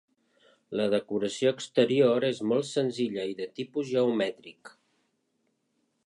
La decoració exterior és molt senzilla i de tipus geomètric.